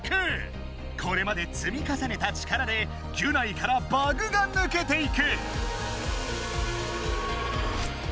これまでつみかさねた力でギュナイからバグがぬけていく！